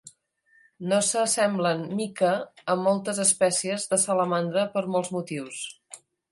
No s'assemblen mica a moltes espècies de salamandra per molts motius.